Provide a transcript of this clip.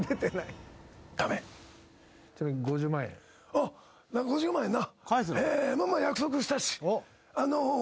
あっ５０万円な。